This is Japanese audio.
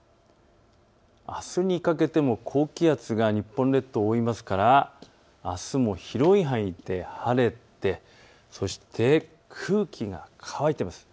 あすにかけても高気圧が日本列島を覆いますから、あすも広い範囲で晴れてそして空気が乾いています。